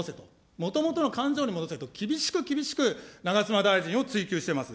もともとの勘定に戻せと、厳しく厳しく、ながつま大臣を追及しています。